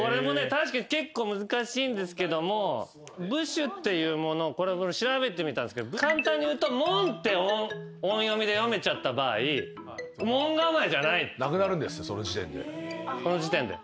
確かに結構難しいんですけども部首っていうものこれ調べてみたんすけど簡単にいうと「もん」って音読みで読めちゃった場合もんがまえじゃないこの時点で。